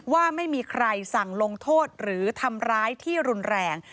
ว่าไม่มีใครสั่งลงโทษหรือทำร้ายที่รุนแรง